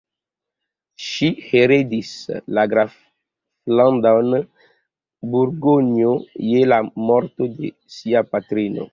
Ŝi heredis la graflandon Burgonjo je la morto de sia patrino.